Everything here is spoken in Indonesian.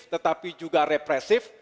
tetapi juga represif